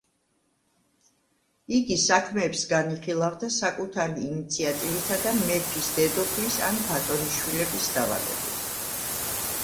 იგი საქმეებს განიხილავდა საკუთარი ინიციატივითა და მეფის, დედოფლის ან ბატონიშვილების დავალებით.